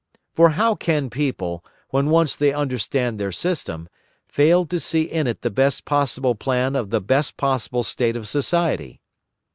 For how can people, when once they understand their system, fail to see in it the best possible plan of the best possible state of society?